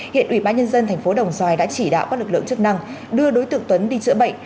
hiện ủy ban nhân dân tp đồng xoài đã chỉ đạo các lực lượng chức năng đưa đối tượng tuấn đi chữa bệnh